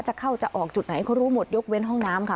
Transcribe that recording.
จะเข้าจะออกจุดไหนเขารู้หมดยกเว้นห้องน้ำค่ะ